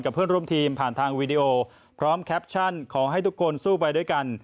เพื่อนร่วมทีมผ่านทางวีดีโอพร้อมแคปชั่นขอให้ทุกคนสู้ไปด้วยกัน